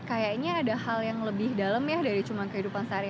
kayaknya ada hal yang lebih dalam ya dari cuma kehidupan sehari hari